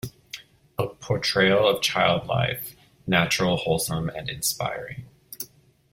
A portrayal of child life, natural, wholesome, and inspiring.